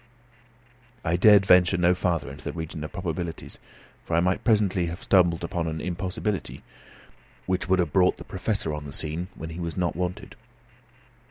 I dared venture no farther into the region of probabilities, for I might presently have stumbled upon an impossibility, which would have brought the Professor on the scene when he was not wanted.